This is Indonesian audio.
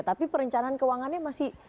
tapi perencanaan kewangannya masih